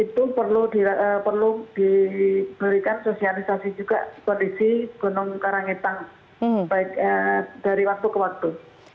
itu perlu diberikan sosialisasi juga kondisi gunung karangetang baik dari waktu ke waktu